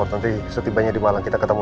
nanti setibanya di malang kita ketemu